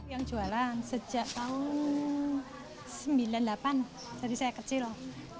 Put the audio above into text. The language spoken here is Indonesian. yang jualan sejak tahun sembilan puluh delapan tadi saya kecil loh